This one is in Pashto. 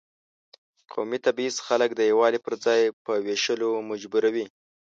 قومي تبعیض خلک د یووالي پر ځای په وېشلو مجبوروي.